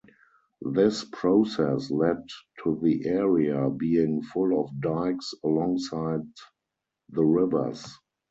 This process led to the area being full of dikes alongside the rivers.